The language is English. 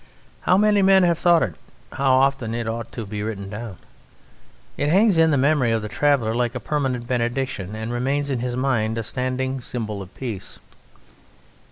How many men have thought it! How often it ought to be written down! It hangs in the memory of the traveller like a permanent benediction, and remains in his mind a standing symbol of peace.